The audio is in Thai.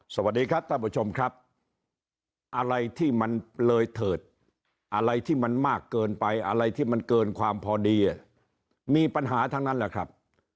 สวัสดีครับท่านผู้ชมครับอะไรที่มันเลยเถิดอะไรที่มันมากเกินไปอะไรที่มันเกินความพอดีมีปัญหาทั้งนั้นแหละครับ